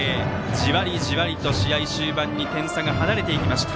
じわりじわりと試合終盤に点差が離れていきました。